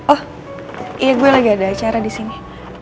oh iya gue lagi ada acara di sini